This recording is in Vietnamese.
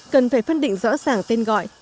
cần phải phân định rõ ràng tên gọi